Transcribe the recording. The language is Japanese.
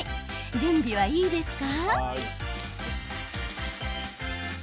準備はいいですか？